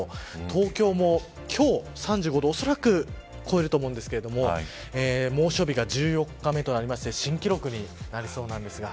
東京も今日３５度をおそらく超えると思うんですけど猛暑日が１４日目となりまして新記録になりそうです。